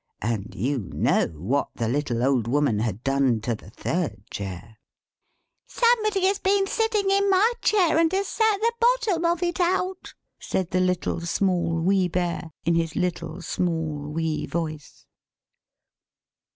And you know what the little Old Woman had done to the third chair. "=Somebody has been sitting in my chair and has sat the bottom out!=" said the Little, Small, Wee Bear, in his little, small, wee voice.